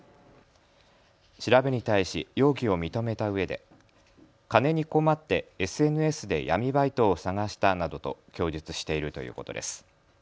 調べに対し容疑を認めたうえで金に困ってＳＮＳで闇バイトを探したなどと供述しているということです。